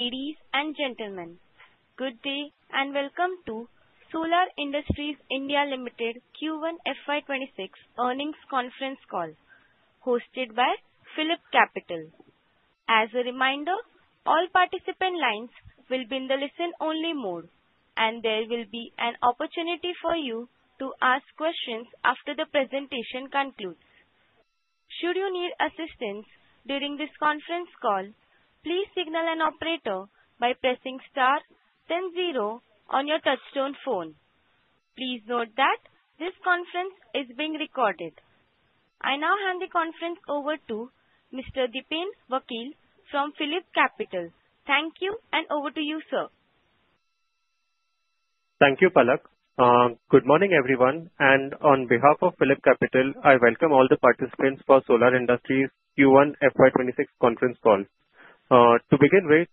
Ladies and gentlemen, good day and welcome to Solar Industries India Limited Q1 FY26 Earnings Conference Call, hosted by PhillipCapital. As a reminder, all participant lines will be in the listen-only mode, and there will be an opportunity for you to ask questions after the presentation concludes. Should you need assistance during this conference call, please signal an operator by pressing star then zero on your touch-tone phone. Please note that this conference is being recorded. I now hand the conference over to Mr. Dipen Vakil from PhillipCapital. Thank you, and over to you, sir. Thank you, Palak. Good morning, everyone. On behalf of PhillipCapital, I welcome all the participants for Solar Industries Q1 FY26 Conference Call. To begin with,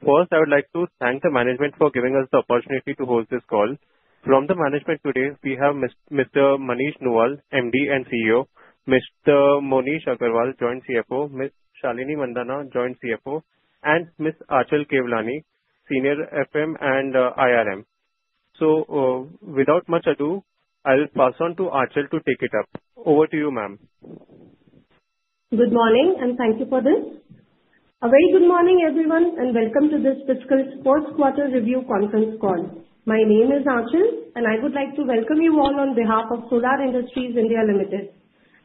first, I would like to thank the management for giving us the opportunity to host this call. From the management today, we have Mr. Manish Nuwal, MD and CEO, Mr. Moneesh Agrawal, Joint CFO, Ms. Shalinee Mandhana, Joint CFO, and Ms. Aanchal Kewlani, Senior FM and IRM. Without much ado, I'll pass on to Aanchal to take it up. Over to you, ma'am. Good morning, and thank you for this. A very good morning, everyone, and welcome to this Fiscal First Quarter Review Conference Call. My name is Aanchal, and I would like to welcome you all on behalf of Solar Industries India Limited.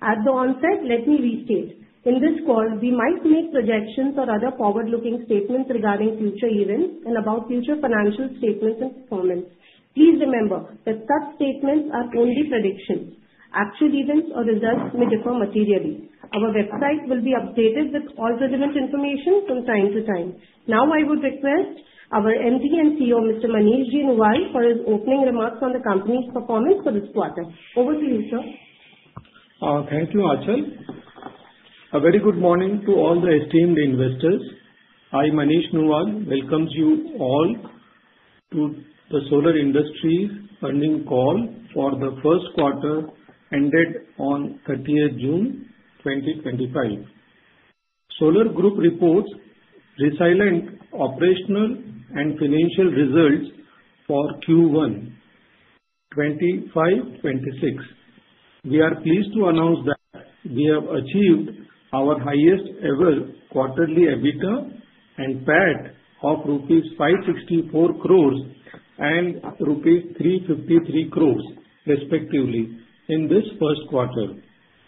At the onset, let me restate: in this call, we might make projections or other forward-looking statements regarding future events and about future financial statements and performance. Please remember that such statements are only predictions. Actual events or results may differ materially. Our website will be updated with all relevant information from time to time. Now, I would request our MD and CEO, Mr. Manish J. Nuwal, for his opening remarks on the company's performance for this quarter. Over to you, sir. Thank you, Aanchal. A very good morning to all the esteemed investors. I, Manish Nuwal, welcome you all to the Solar Industries earnings call for the first quarter ended on 30th June 2025. Solar Group reports resilient operational and financial results for Q1 2025-2026. We are pleased to announce that we have achieved our highest-ever quarterly EBITDA and PBT of rupees 564 crores and rupees 353 crores, respectively, in this first quarter.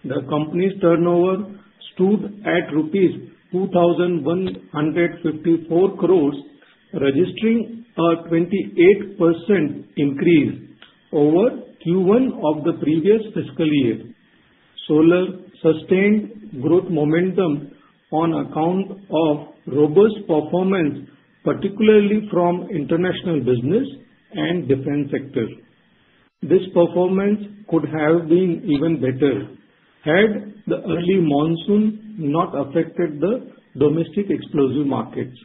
The company's turnover stood at rupees 2,154 crores, registering a 28% increase over Q1 of the previous fiscal year. Solar sustained growth momentum on account of robust performance, particularly from international business and defense sector. This performance could have been even better had the early monsoon not affected the domestic explosives markets.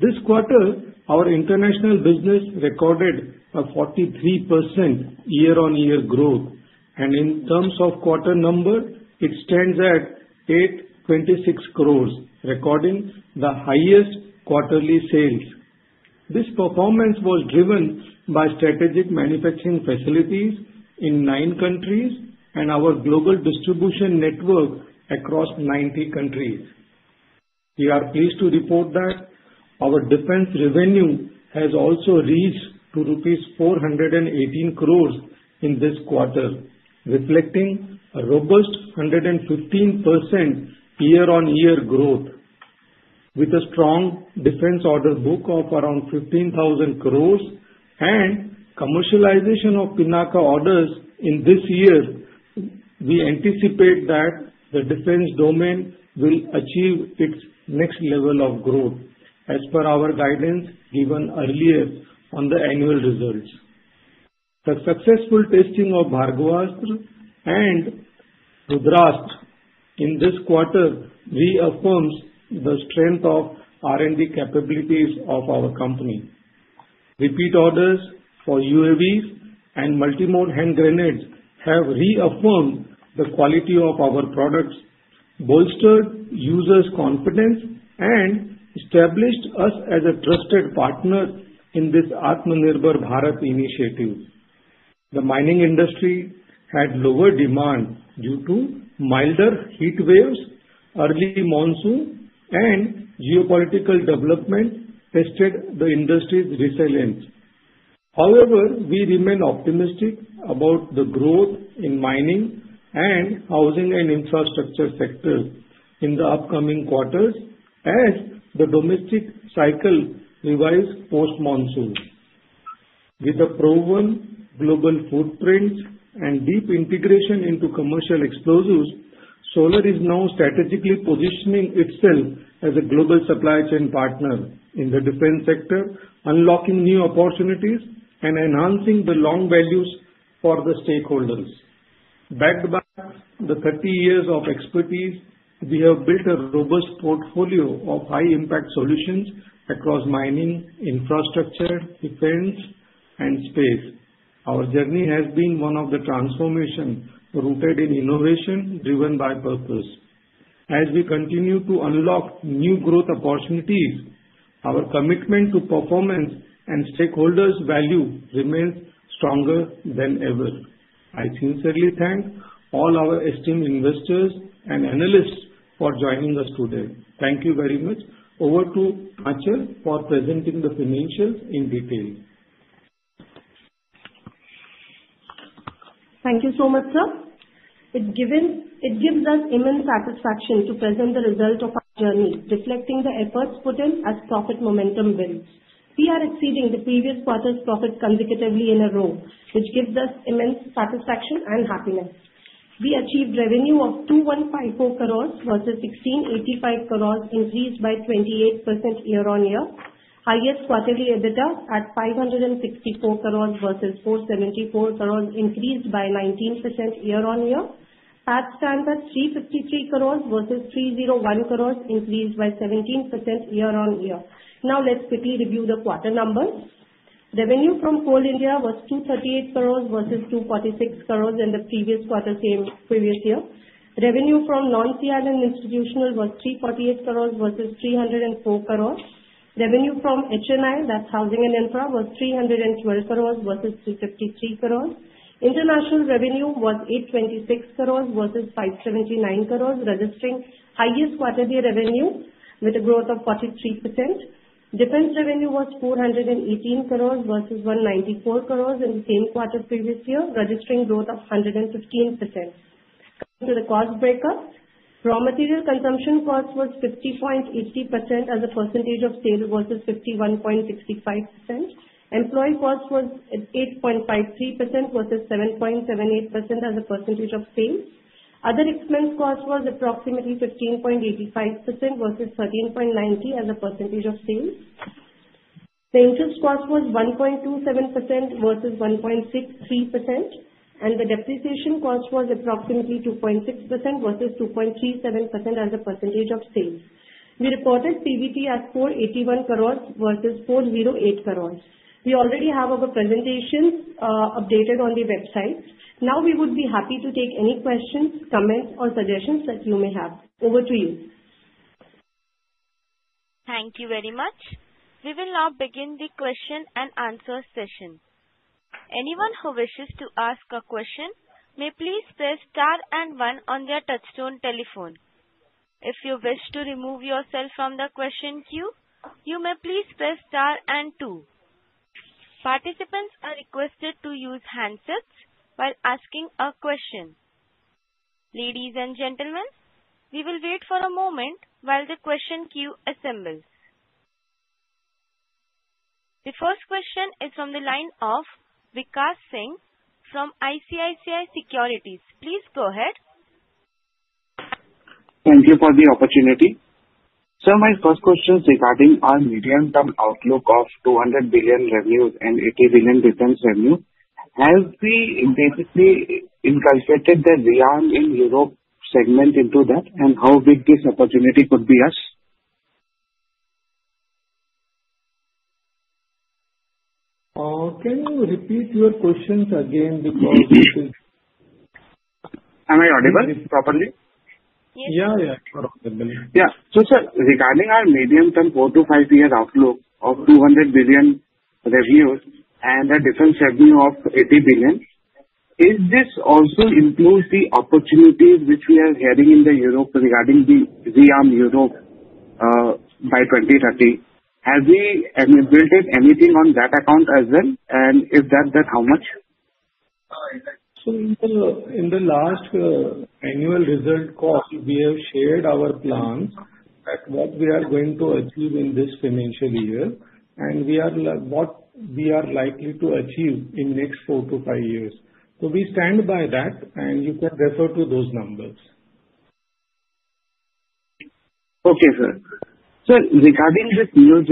This quarter, our international business recorded a 43% year-on-year growth, and in terms of quantum, it stands at 826 crores, recording the highest quarterly sales. This performance was driven by strategic manufacturing facilities in nine countries and our global distribution network across 90 countries. We are pleased to report that our defense revenue has also reached 418 crores rupees in this quarter, reflecting a robust 115% year-on-year growth. With a strong defense order book of around 15,000 crores and commercialization of Pinaka orders in this year, we anticipate that the defense domain will achieve its next level of growth, as per our guidance given earlier on the annual results. The successful testing of Bhargavastra and Rudrastra in this quarter reaffirms the strength of R&D capabilities of our company. Repeat orders for UAVs and multi-mode hand grenades have reaffirmed the quality of our products, bolstered users' confidence, and established us as a trusted partner in this Atmanirbhar Bharat initiative. The mining industry had lower demand due to milder heat waves, early monsoon, and geopolitical development tested the industry's resilience. However, we remain optimistic about the growth in mining and housing and infrastructure sectors in the upcoming quarters as the domestic cycle revives post-monsoon. With a proven global footprint and deep integration into commercial explosives, Solar is now strategically positioning itself as a global supply chain partner in the defense sector, unlocking new opportunities and enhancing the long values for the stakeholders. Backed by the 30 years of expertise, we have built a robust portfolio of high-impact solutions across mining, infrastructure, defense, and space. Our journey has been one of transformation rooted in innovation driven by purpose. As we continue to unlock new growth opportunities, our commitment to performance and stakeholders' value remains stronger than ever. I sincerely thank all our esteemed investors and analysts for joining us today. Thank you very much. Over to Aanchal for presenting the financials in detail. Thank you so much, sir. It gives us immense satisfaction to present the result of our journey, reflecting the efforts put in as profit momentum builds. We are exceeding the previous quarter's profits consecutively in a row, which gives us immense satisfaction and happiness. We achieved revenue of 2154 crores versus 1,685 crores, increased by 28% year-on-year. Highest quarterly EBITDA at 564 crores versus 474 crores, increased by 19% year-on-year. PAT standards 353 crores versus 301 crores, increased by 17% year-on-year. Now, let's quickly review the quarter numbers. Revenue from Coal India was 238 crores versus 246 crores in the previous quarter previous year. Revenue from Non-CIL Institutional was 348 crores versus 304 crores. Revenue from H&I, that's Housing and Infra, was 312 crores versus 253 crores. International revenue was 826 crores versus 579 crores, registering highest quarterly revenue with a growth of 43%. Defense revenue was 418 crores versus 194 crores in the same quarter previous year, registering growth of 115%. Coming to the cost breakup, raw material consumption cost was 50.80% as a percentage of sale versus 51.65%. Employee cost was 8.53% versus 7.78% as a percentage of sales. Other expense cost was approximately 15.85% versus 13.90% as a percentage of sales. The interest cost was 1.27% versus 1.63%, and the depreciation cost was approximately 2.6% versus 2.37% as a percentage of sales. We reported PBT as 481 crores versus 408 crores. We already have our presentations updated on the website. Now, we would be happy to take any questions, comments, or suggestions that you may have. Over to you. Thank you very much. We will now begin the question and answer session. Anyone who wishes to ask a question may please press Star and one on their touch-tone telephone. If you wish to remove yourself from the question queue, you may please press Star and two. Participants are requested to use handsets while asking a question. Ladies and gentlemen, we will wait for a moment while the question queue assembles. The first question is from the line of Vikash Singh from ICICI Securities. Please go ahead. Thank you for the opportunity. Sir, my first question is regarding our medium-term outlook of 200 billion revenues and 80 billion defense revenue. Have we basically included the ReArm in Europe segment into that, and how big this opportunity could be for us? Can you repeat your questions again because I think? Am I audible properly? Yes. Yeah, yeah. Yeah. So sir, regarding our medium-term four- to five-year outlook of 200 billion revenues and the defense revenue of 80 billion, is this also includes the opportunities which we are hearing in Europe regarding the REARM Europe by 2030? Have we built in anything on that account as well? And if that, then how much? In the last annual results call, we have shared our plans at what we are going to achieve in this financial year and what we are likely to achieve in the next four to five years. So we stand by that, and you can refer to those numbers. Okay, sir. Sir, regarding the deals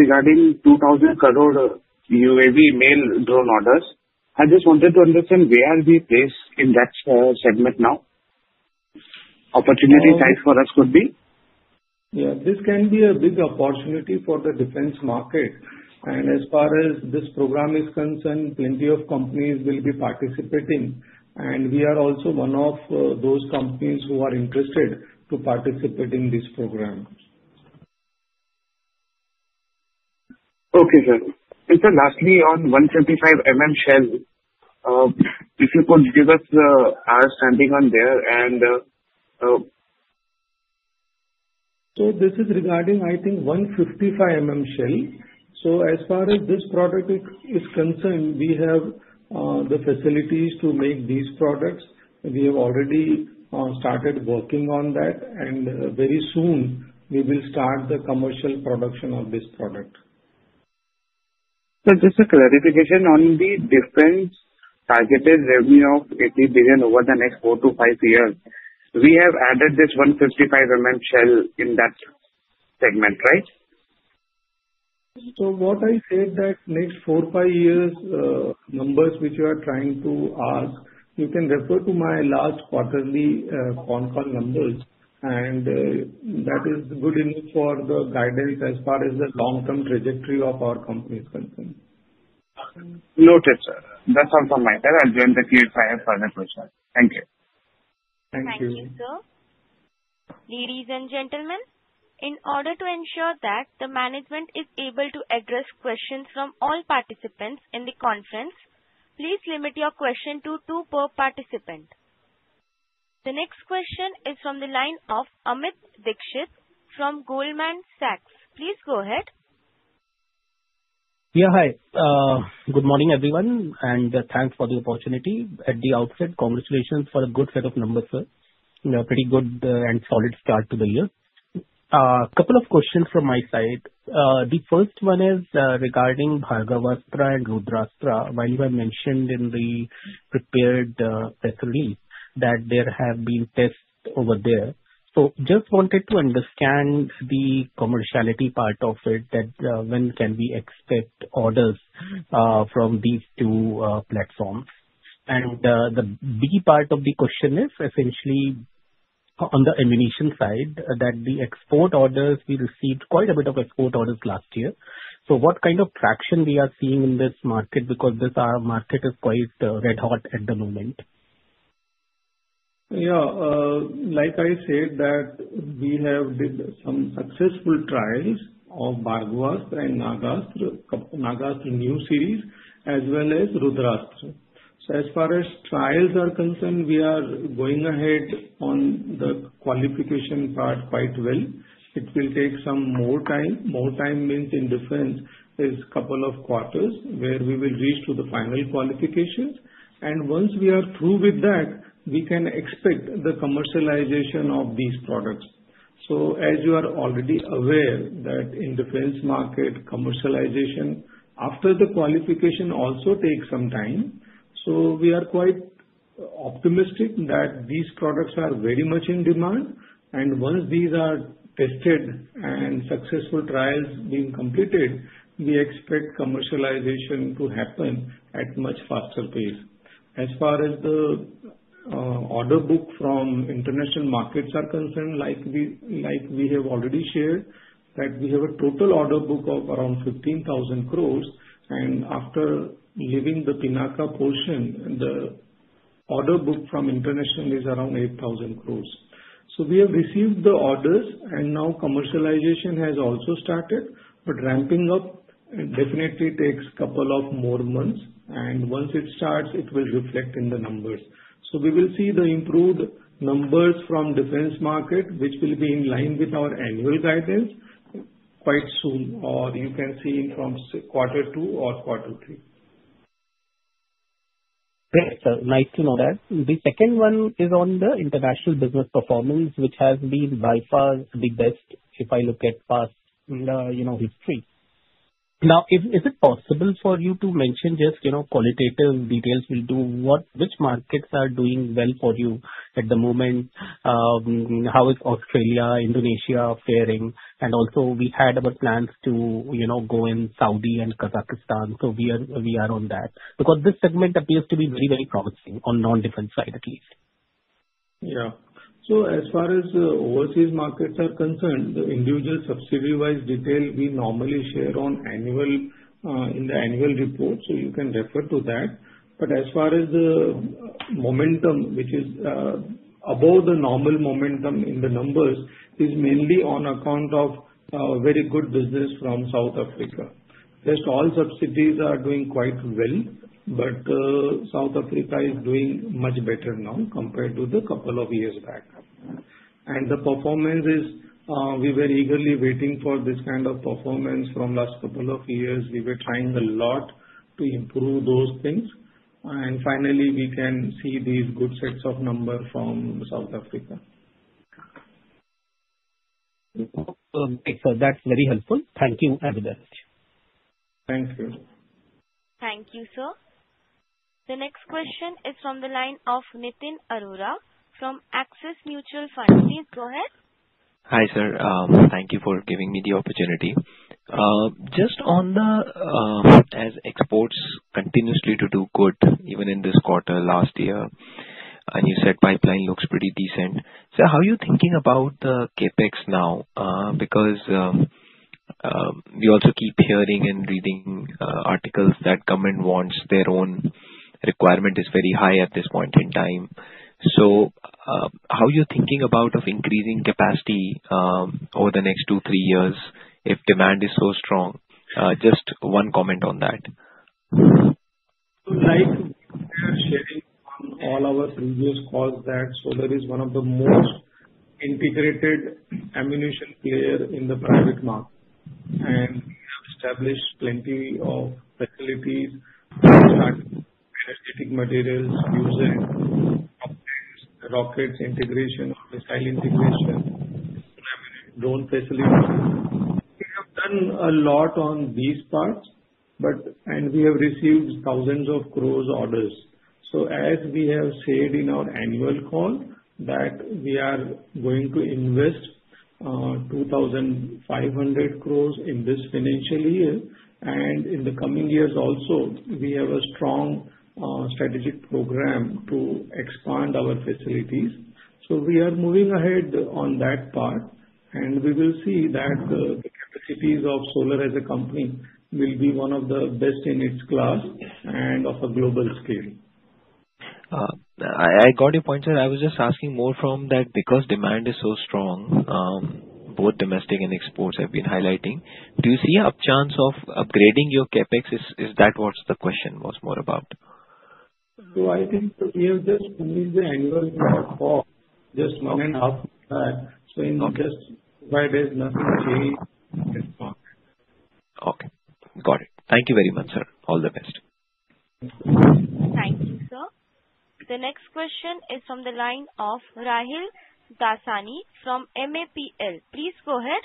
2,000 crore UAV MALE drone orders, I just wanted to understand where are we placed in that segment now? Opportunity size for us could be? Yeah, this can be a big opportunity for the defense market, and as far as this program is concerned, plenty of companies will be participating, and we are also one of those companies who are interested to participate in this program. Okay, sir. Sir, lastly, on 155mm shell, if you could give us our standing on there and. So this is regarding, I think, 155 shell. So as far as this product is concerned, we have the facilities to make these products. We have already started working on that, and very soon, we will start the commercial production of this product. Sir, just a clarification on the defense targeted revenue of 80 billion over the next four to five years. We have added this 155mm shell in that segment, right? What I said, that next four, five years numbers which you are trying to ask, you can refer to my last quarterly phone call numbers, and that is good enough for the guidance as far as the long-term trajectory of our company is concerned. Noted, sir. That's all from my side. I'll join the queue if I have further questions. Thank you. Thank you. Thank you, sir. Ladies and gentlemen, in order to ensure that the management is able to address questions from all participants in the conference, please limit your question to two per participant. The next question is from the line of Amit Dixit from Goldman Sachs. Please go ahead. Yeah, hi. Good morning, everyone, and thanks for the opportunity. At the outset, congratulations for a good set of numbers, sir. A pretty good and solid start to the year. A couple of questions from my side. The first one is regarding Bhargavastra and Rudrastra. While you have mentioned in the prepared press release that there have been tests over there, so just wanted to understand the commerciality part of it, that when can we expect orders from these two platforms? And the B part of the question is essentially on the ammunition side, that the export orders, we received quite a bit of export orders last year. So what kind of traction we are seeing in this market because this market is quite red hot at the moment? Yeah, like I said, that we have did some successful trials of Bhargavastra and Nagastra, Nagastra new series, as well as Rudrastra. So as far as trials are concerned, we are going ahead on the qualification part quite well. It will take some more time. More time means in defense is a couple of quarters where we will reach to the final qualification. And once we are through with that, we can expect the commercialization of these products. So as you are already aware, that in defense market, commercialization after the qualification also takes some time. So we are quite optimistic that these products are very much in demand. And once these are tested and successful trials being completed, we expect commercialization to happen at a much faster pace. As far as the order book from international markets are concerned, like we have already shared, that we have a total order book of around 15,000 crores, and after leaving the Pinaka portion, the order book from international is around 8,000 crores, so we have received the orders, and now commercialization has also started, but ramping up definitely takes a couple of more months, and once it starts, it will reflect in the numbers, so we will see the improved numbers from defense market, which will be in line with our annual guidance quite soon, or you can see from quarter two or quarter three. Great, sir. Nice to know that. The second one is on the international business performance, which has been by far the best if I look at past history. Now, is it possible for you to mention just qualitative details will do, which markets are doing well for you at the moment? How is Australia, Indonesia faring? And also, we had our plans to go in Saudi Arabia and Kazakhstan. So we are on that because this segment appears to be very, very promising on non-defense side at least. Yeah. So as far as overseas markets are concerned, the individual subsidiary-wise detail we normally share in the annual report, so you can refer to that. But as far as the momentum, which is above the normal momentum in the numbers, is mainly on account of very good business from South Africa. Just all subsidiaries are doing quite well, but South Africa is doing much better now compared to the couple of years back. And the performance is we were eagerly waiting for this kind of performance from last couple of years. We were trying a lot to improve those things. And finally, we can see these good sets of numbers from South Africa. Okay, sir. That's very helpful. Thank you very much. Thank you. Thank you, sir. The next question is from the line of Nitin Arora from Axis Mutual Fund. Please go ahead. Hi, sir. Thank you for giving me the opportunity. As exports continued to do good even in this quarter last year, and you said pipeline looks pretty decent. Sir, how are you thinking about the CapEx now? Because we also keep hearing and reading articles that government wants their own requirement is very high at this point in time. So how are you thinking about increasing capacity over the next two, three years if demand is so strong? Just one comment on that. Like we are sharing on all our previous calls that Solar is one of the most integrated ammunition players in the private market, and we have established plenty of facilities starting energetic materials, fusion, rockets integration, missile integration, drone facilities. We have done a lot on these parts, and we have received thousands of crores orders, so as we have said in our annual call that we are going to invest 2,500 crores in this financial year, and in the coming years also, we have a strong strategic program to expand our facilities, so we are moving ahead on that part, and we will see that the capacities of Solar as a company will be one of the best in its class and of a global scale. I got your point, sir. I was just asking more from that because demand is so strong, both domestic and exports, I've been highlighting. Do you see a chance of upgrading your CapEx? Is that what the question was more about? So, I think we have just finished the annual call, just one and a half time. So, in just five days, nothing changed in this part. Okay. Got it. Thank you very much, sir. All the best. Thank you, sir. The next question is from the line of Rahil Dasani from MAPL. Please go ahead.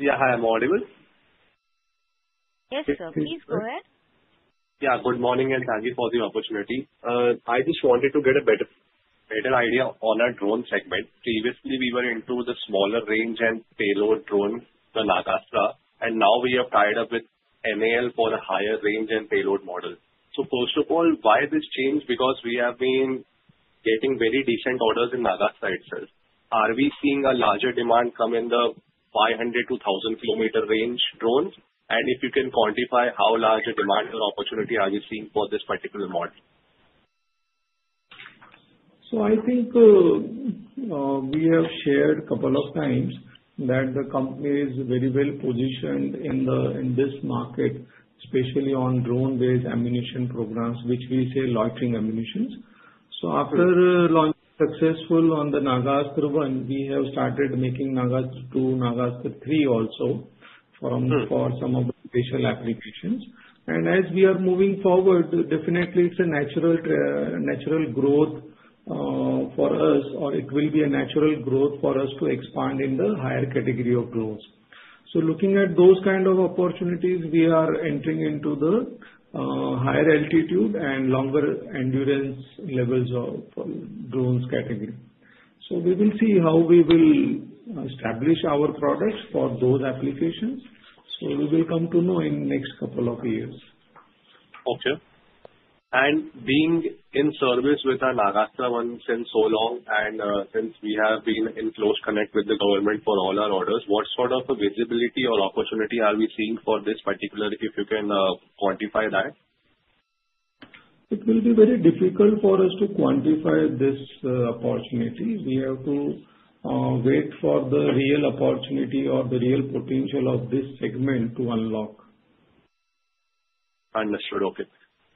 Yeah, hi. Am I audible? Yes, sir. Please go ahead. Yeah, good morning and thank you for the opportunity. I just wanted to get a better idea on our drone segment. Previously, we were into the smaller range and payload drone, the Nagastra. And now we have tied up with MALE for the higher range and payload model. So first of all, why this change? Because we have been getting very decent orders in Nagastra itself. Are we seeing a larger demand come in the 500-1,000 km range drones? And if you can quantify how large a demand or opportunity are we seeing for this particular model? I think we have shared a couple of times that the company is very well positioned in this market, especially on drone-based ammunition programs, which we say loitering munitions. So after successfully launching the Nagastra 1, we have started making Nagastra 2, Nagastra 3 also for some of the special applications. And as we are moving forward, definitely it's a natural growth for us, or it will be a natural growth for us to expand in the higher category of drones. So looking at those kind of opportunities, we are entering into the higher altitude and longer endurance levels of drones category. So we will see how we will establish our products for those applications. So we will come to know in the next couple of years. Okay, and being in service with our Nagastra 1 since so long, and since we have been in close contact with the government for all our orders, what sort of visibility or opportunity are we seeing for this particular, if you can quantify that? It will be very difficult for us to quantify this opportunity. We have to wait for the real opportunity or the real potential of this segment to unlock. Understood. Okay.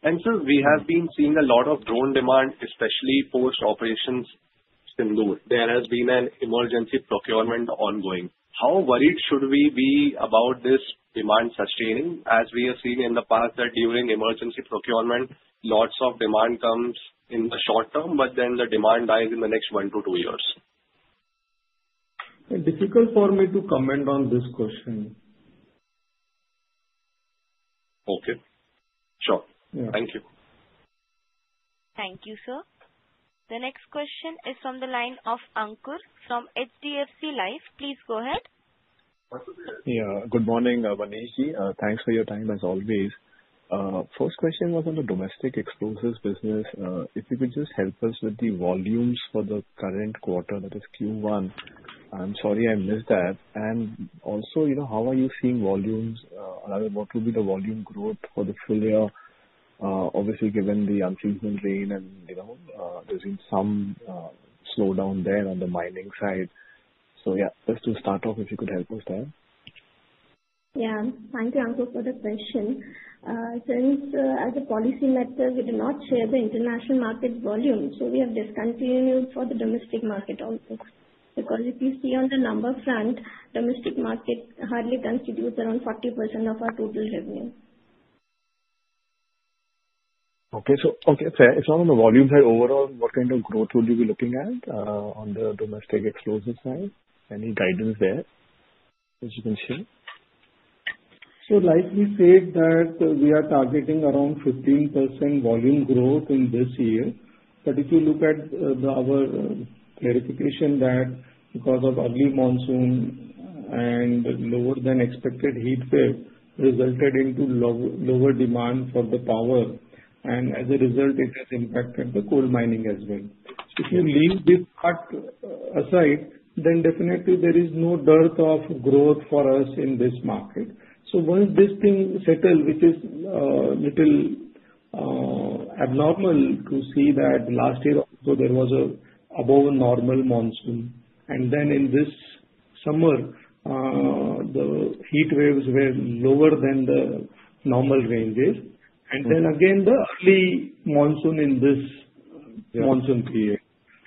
And sir, we have been seeing a lot of drone demand, especially post-operations Sindoor. There has been an emergency procurement ongoing. How worried should we be about this demand sustaining as we have seen in the past that during emergency procurement, lots of demand comes in the short term, but then the demand dies in the next one to two years? Difficult for me to comment on this question. Okay. Sure. Thank you. Thank you, sir. The next question is from the line of Ankur from HDFC Life. Please go ahead. Yeah, good morning, Manish. Thanks for your time as always. First question was on the domestic explosives business. If you could just help us with the volumes for the current quarter, that is Q1. I'm sorry I missed that. And also, how are you seeing volumes? What will be the volume growth for the full year, obviously given the unseasonal rain and there's been some slowdown there on the mining side? So yeah, just to start off, if you could help us there. Yeah. Thank you, Ankur, for the question. Since as a policymaker, we do not share the international market volume, so we have discontinued for the domestic market also. Because if you see on the number front, domestic market hardly constitutes around 40% of our total revenue. Okay. So, sir, it's not on the volume side. Overall, what kind of growth would you be looking at on the domestic explosive side? Any guidance there that you can share? So, like we said, that we are targeting around 15% volume growth in this year. But if you look at our clarification that because of ugly monsoon and lower than expected heat wave resulted into lower demand for the power. And as a result, it has impacted the coal mining as well. If you leave this part aside, then definitely there is no dearth of growth for us in this market. So once this thing settles, which is a little abnormal to see that last year also there was above normal monsoon. And then in this summer, the heat waves were lower than the normal ranges. And then again, the early monsoon in this monsoon period.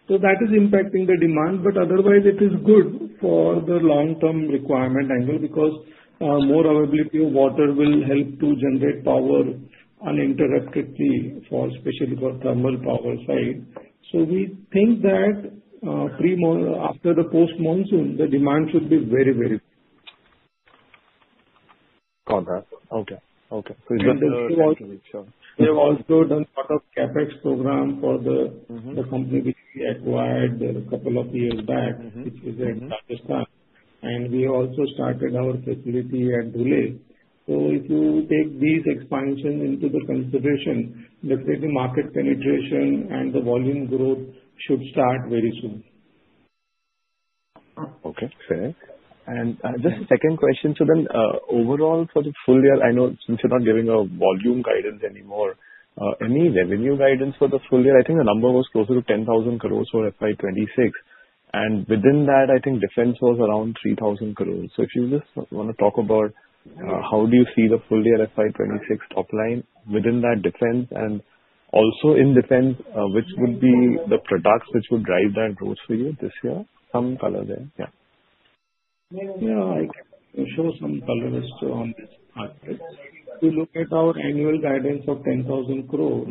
So that is impacting the demand. But otherwise, it is good for the long-term requirement angle because more availability of water will help to generate power uninterruptedly for especially for thermal power side. So we think that after the post-monsoon, the demand should be very, very good. Got that. Okay. Okay. So you've done a lot of CapEx program for the company which we acquired a couple of years back, which is in Rajasthan. And we also started our facility in Kazakhstan. So if you take these expansions into the consideration, definitely market penetration and the volume growth should start very soon. Okay. Fair. And just a second question. So then overall for the full year, I know since you're not giving a volume guidance anymore, any revenue guidance for the full year? I think the number was closer to 10,000 crores for FY 26. And within that, I think defense was around 3,000 crores. So if you just want to talk about how do you see the full year FY 26 top line within that defense and also in defense, which would be the products which would drive that growth for you this year? Some color there. Yeah. Yeah. I can show some color still on this part. If you look at our annual guidance of 10,000 crores,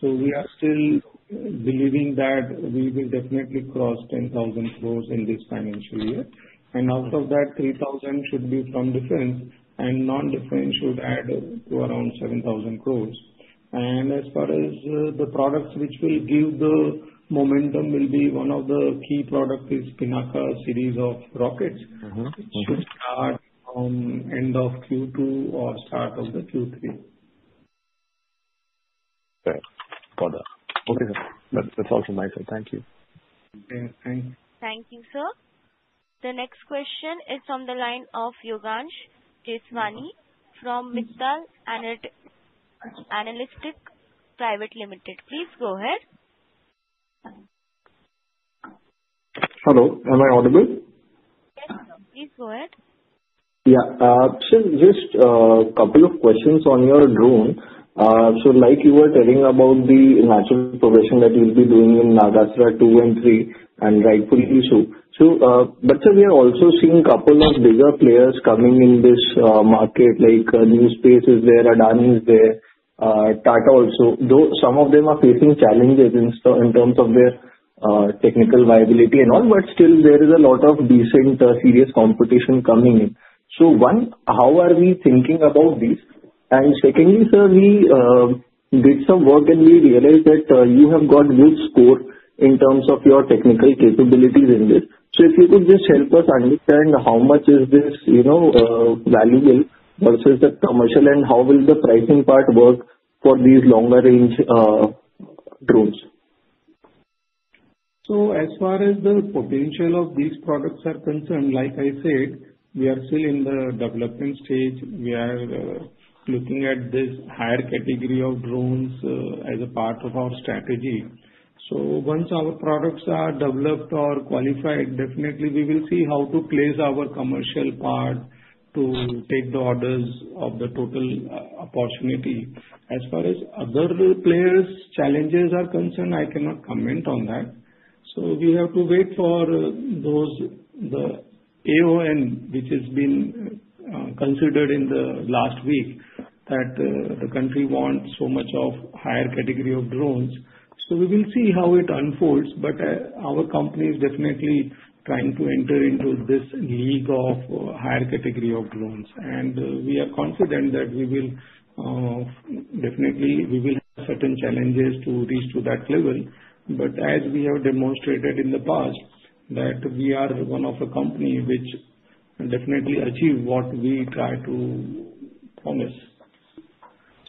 so we are still believing that we will definitely cross 10,000 crores in this financial year. And out of that, 3,000 should be from defense, and non-defense should add to around 7,000 crores. And as far as the products which will give the momentum, will be one of the key products is Pinaka series of rockets, which should start from end of Q2 or start of the Q3. Fair. Got that. Okay, sir. That's all from my side. Thank you. Okay. Thanks. Thank you, sir. The next question is from the line of Yogansh Jeswani from Mittal Analytics Private Limited. Please go ahead. Hello. Am I audible? Yes, sir. Please go ahead. Yeah. Sir, just a couple of questions on your drone. So like you were telling about the natural progression that you'll be doing in Nagastra 2 and 3 and rightfully so. But sir, we are also seeing a couple of bigger players coming in this market like NewSpace is there, Adani is there, Tata also. Though some of them are facing challenges in terms of their technical viability and all, but still there is a lot of decent serious competition coming in. So one, how are we thinking about this? And secondly, sir, we did some work and we realized that you have got good score in terms of your technical capabilities in this. So if you could just help us understand how much is this valuable versus a commercial and how will the pricing part work for these longer-range drones? So as far as the potential of these products are concerned, like I said, we are still in the development stage. We are looking at this higher category of drones as a part of our strategy. So once our products are developed or qualified, definitely we will see how to place our commercial part to take the orders of the total opportunity. As far as other players' challenges are concerned, I cannot comment on that. So we have to wait for the AON, which has been considered in the last week, that the country wants so much of higher category of drones. So we will see how it unfolds. But our company is definitely trying to enter into this league of higher category of drones. And we are confident that we will definitely have certain challenges to reach to that level. But as we have demonstrated in the past that we are one of a company which definitely achieves what we try to promise.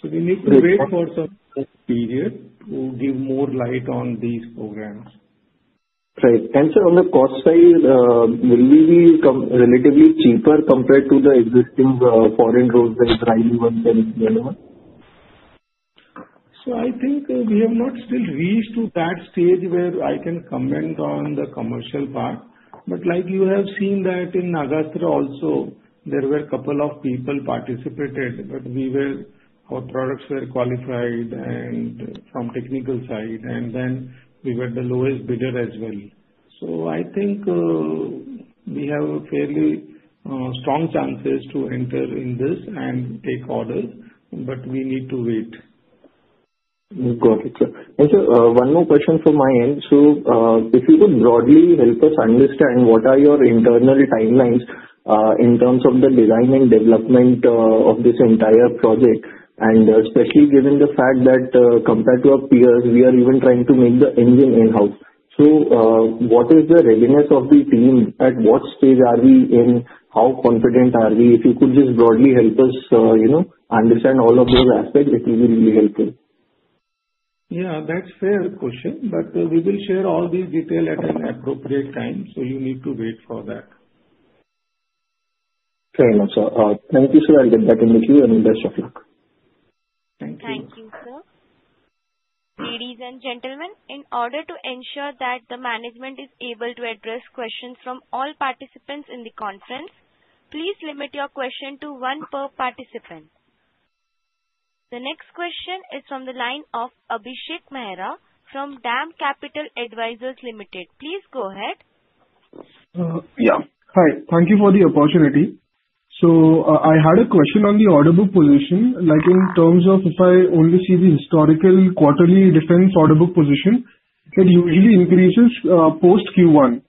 So we need to wait for some period to give more light on these programs. Fair. And sir, on the cost side, will we be relatively cheaper compared to the existing foreign drones like the ID-1771? So I think we have not still reached to that stage where I can comment on the commercial part. But like you have seen that in Nagastra also, there were a couple of people participated, but our products were qualified from technical side. And then we were the lowest bidder as well. So I think we have fairly strong chances to enter in this and take orders, but we need to wait. Got it, sir. And sir, one more question from my end. So if you could broadly help us understand what are your internal timelines in terms of the design and development of this entire project, and especially given the fact that compared to our peers, we are even trying to make the engine in-house. So what is the readiness of the team? At what stage are we in? How confident are we? If you could just broadly help us understand all of those aspects, it will be really helpful. Yeah, that's a fair question, but we will share all these details at an appropriate time, so you need to wait for that. Fair enough, sir. Thank you, sir. I'll get back in with you and best of luck. Thank you. Thank you, sir. Ladies and gentlemen, in order to ensure that the management is able to address questions from all participants in the conference, please limit your question to one per participant. The next question is from the line of Abhishek Mehra from DAM Capital Advisors Limited. Please go ahead. Yeah. Hi. Thank you for the opportunity. So I had a question on the order book position, like in terms of if I only see the historical quarterly defense order book position, it usually increases post Q1.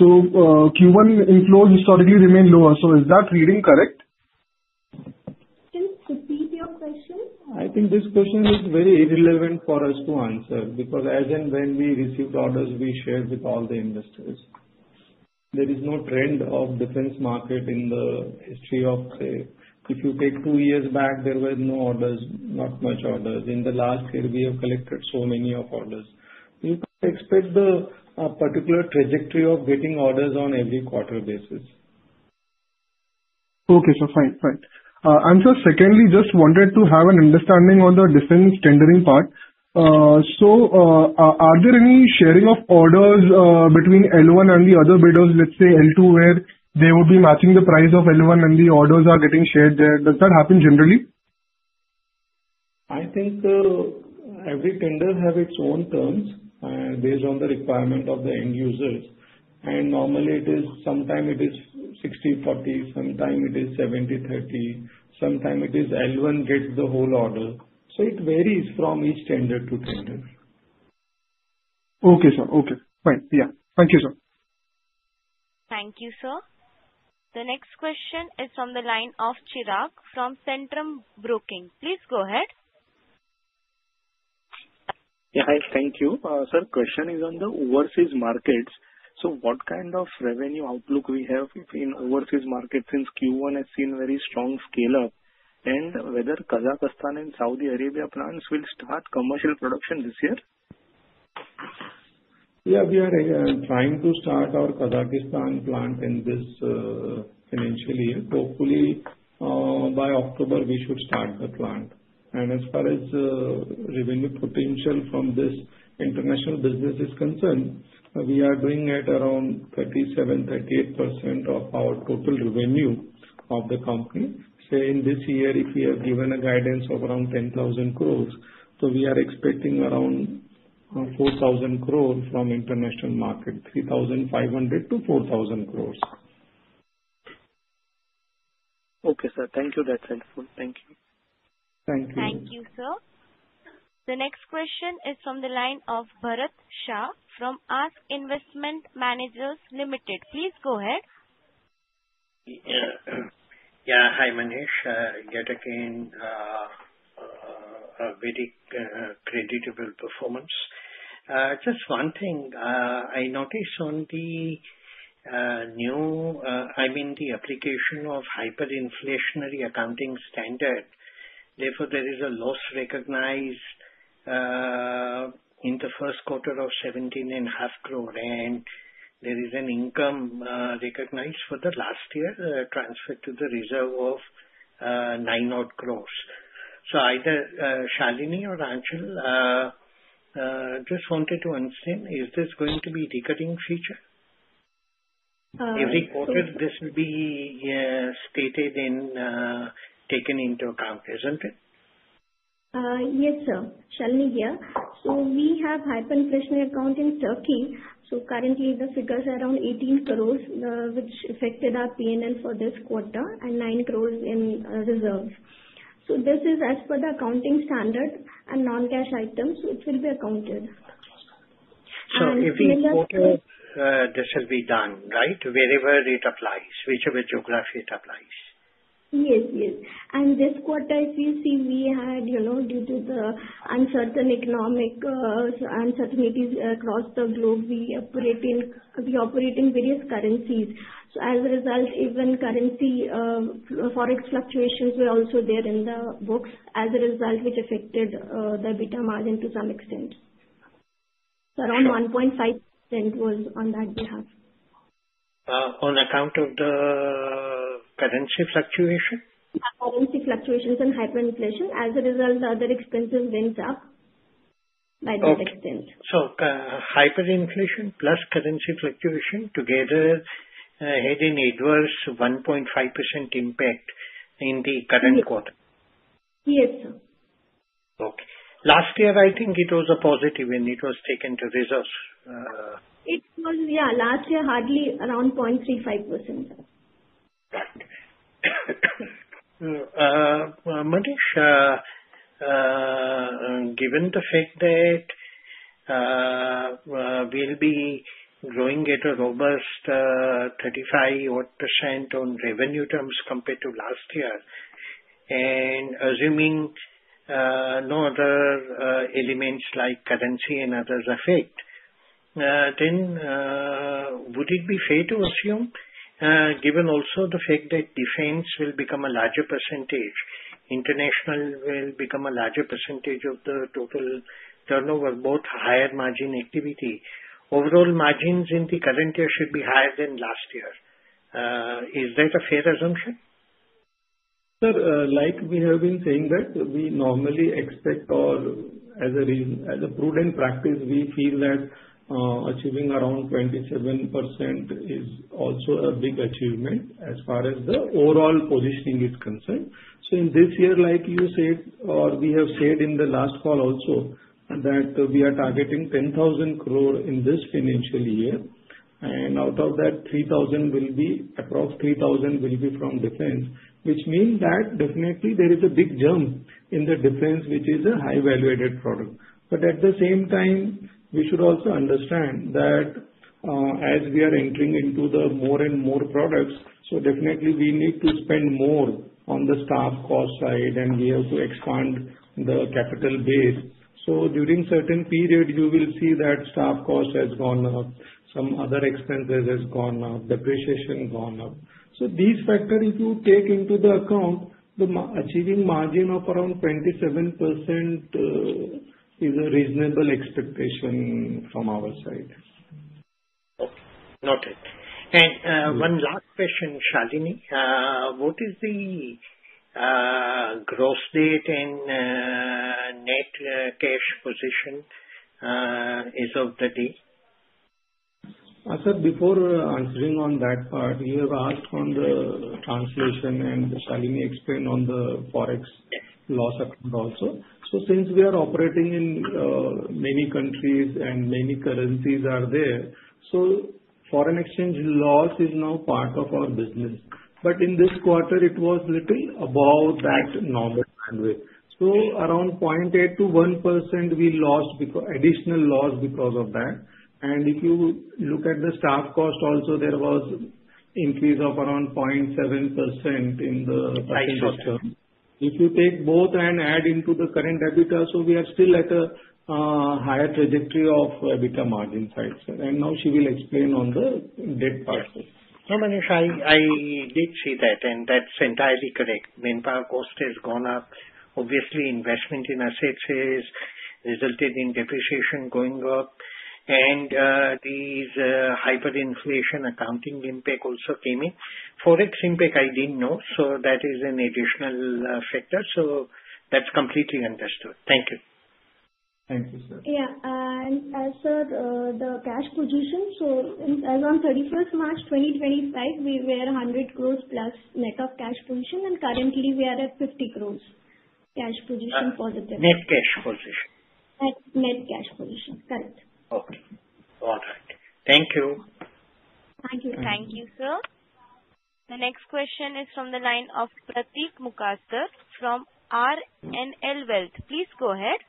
So Q1 inflows historically remain lower. So is that reading correct? Since, repeat your question. I think this question is very irrelevant for us to answer because as and when we received orders, we shared with all the investors. There is no trend of defense market in the history of, say, if you take two years back, there were no orders, not much orders. In the last year, we have collected so many orders. You can expect the particular trajectory of getting orders on every quarter basis. Okay, sir. Fine. Fine. I'm just secondly just wanted to have an understanding on the defense tendering part. So are there any sharing of orders between L1 and the other bidders, let's say L2, where they will be matching the price of L1 and the orders are getting shared there? Does that happen generally? I think every tender has its own terms based on the requirement of the end users. And normally, sometimes it is 60%-40%, sometimes it is 70%-30%, sometimes it is L1 gets the whole order. So it varies from each tender to tender. Okay, sir. Okay. Fine. Yeah. Thank you, sir. Thank you, sir. The next question is from the line of Chirag from Centrum Broking. Please go ahead. Yeah. Hi. Thank you. Sir, question is on the overseas markets. So what kind of revenue outlook we have in overseas markets since Q1 has seen very strong scale-up, and whether Kazakhstan and Saudi Arabia plants will start commercial production this year? Yeah. We are trying to start our Kazakhstan plant in this financial year. Hopefully, by October, we should start the plant. And as far as revenue potential from this international business is concerned, we are doing at around 37%-38% of our total revenue of the company. Say in this year, if we have given a guidance of around 10,000 crores, so we are expecting around 4,000 crores from international market, 3,500 to 4,000 crores. Okay, sir. Thank you. That's helpful. Thank you. Thank you. Thank you, sir. The next question is from the line of Bharat Shah from ASK Investment Managers Limited. Please go ahead. Yeah. Hi, Manish. Yet again, a very creditable performance. Just one thing. I noticed on the new, I mean, the application of hyperinflationary accounting standard. Therefore, there is a loss recognized in the first quarter of 17.5 crore. There is an income recognized for the last year transferred to the reserve of 90 crores. So either Shalinee or Monish just wanted to understand, is this going to be recurring feature? Every quarter, this will be stated and taken into account, isn't it? Yes, sir. Shalinee here. We have hyperinflationary accounting Turkey. Currently, the figures are around 18 crores, which affected our P&L for this quarter, and 9 crores in reserves. This is as per the accounting standard and non-cash items, which will be accounted. Every quarter, this should be done, right? Wherever it applies, whichever geography it applies. Yes. Yes, and this quarter, if you see, we had, due to the uncertain economic uncertainties across the globe, we operate in various currencies. So as a result, even currency forex fluctuations were also there in the books as a result, which affected the EBITDA margin to some extent. So around 1.5% was on that behalf. On account of the currency fluctuation? Currency fluctuations and hyperinflation. As a result, other expenses went up by that extent. Hyperinflation plus currency fluctuation together had an adverse 1.5% impact in the current quarter. Yes, sir. Okay. Last year, I think it was a positive when it was taken to reserves. It was, yeah, last year hardly around 0.35%. Manish, given the fact that we'll be growing at a robust 35-odd% on revenue terms compared to last year, and assuming no other elements like currency and others affect, then would it be fair to assume, given also the fact that defense will become a larger percentage, international will become a larger percentage of the total turnover, both higher margin activity, overall margins in the current year should be higher than last year? Is that a fair assumption? Sir, like we have been saying that we normally expect or as a prudent practice, we feel that achieving around 27% is also a big achievement as far as the overall positioning is concerned. So in this year, like you said, or we have said in the last call also that we are targeting 10,000 crore in this financial year. And out of that, 3,000 will be approximately from defense, which means that definitely there is a big jump in the defense, which is a high-valued product. But at the same time, we should also understand that as we are entering into the more and more products, so definitely we need to spend more on the staff cost side, and we have to expand the capital base. So during certain period, you will see that staff cost has gone up, some other expenses have gone up, depreciation gone up. So these factors, if you take into account, the achieving margin of around 27% is a reasonable expectation from our side. Okay. Noted. And one last question, Shalinee. What is the gross debt and net cash position as of today? Sir, before answering on that part, you have asked on the translation and Shalinee explained on the forex loss account also, so since we are operating in many countries and many currencies are there, so foreign exchange loss is now part of our business. But in this quarter, it was little above that normal bandwidth, so around 0.8%-1% we lost additional loss because of that. And if you look at the staff cost also, there was increase of around 0.7% in the financial term. If you take both and add into the current EBITDA, so we are still at a higher trajectory of EBITDA margin side, and now she will explain on the debt part. So, Manish, I did see that, and that's entirely correct. Manpower cost has gone up. Obviously, investment in assets has resulted in depreciation going up. And these hyperinflation accounting impact also came in. Forex impact, I didn't know. So that is an additional factor. So that's completely understood. Thank you. Thank you, sir. Yeah. And as per the cash position, so around 31st March 2025, we were 100 crores plus net of cash position, and currently we are at 50 crores cash position positive. Net cash position. Net cash position. Correct. Okay. All right. Thank you. Thank you. Thank you, sir. The next question is from the line of Pratik Mukasdar from RNL Wealth. Please go ahead.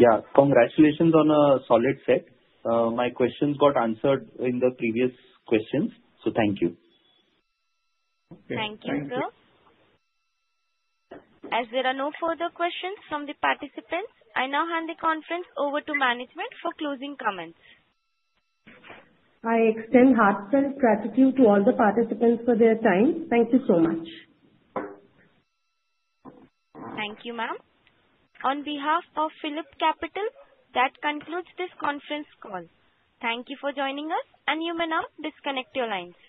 Yeah. Congratulations on a solid set. My questions got answered in the previous questions. So thank you. Thank you, sir. As there are no further questions from the participants, I now hand the conference over to management for closing comments. I extend heartfelt gratitude to all the participants for their time. Thank you so much. Thank you, ma'am. On behalf of PhillipCapital, that concludes this conference call. Thank you for joining us, and you may now disconnect your lines.